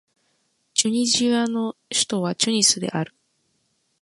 チュニジアの首都はチュニスである